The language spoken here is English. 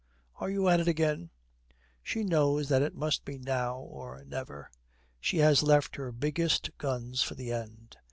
'Are you at it again!' She knows that it must be now or never. She has left her biggest guns for the end.